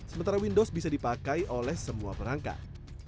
sementara windows bisa dipakai oleh semua perangkat